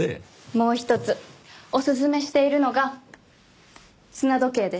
もう一つおすすめしているのが砂時計です。